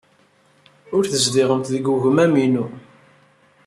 Ur tezdiɣemt deg wegmam-inu.